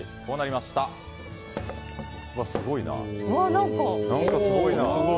何かすごいな。